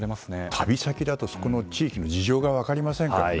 旅先だとそこの地域の事情が分かりませんからね。